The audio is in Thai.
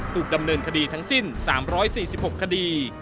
ถูกดำเนินคดีทั้งสิ้น๓๔๖คดี